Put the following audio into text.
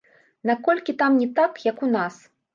Наколькі там не так, як у нас?